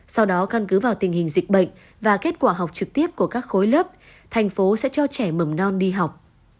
sau đó căn cứ vào tình hình dịch bệnh và kết quả học trực tiếp của các khối lớp thành phố sẽ cho trẻ mầm non đi học